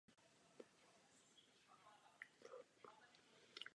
Hlavní starost proto je zajistit finanční prostředky.